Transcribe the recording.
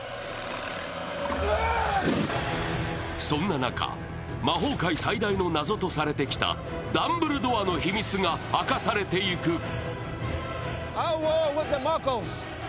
そんな中、魔法界最大の謎とされてきたダンブルドアの秘密が明かされていく。